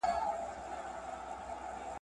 مثبت فکر د خوشحالۍ سبب دی.